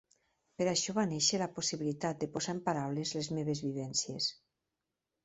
Per això va néixer la possibilitat de posar en paraules les meves vivències.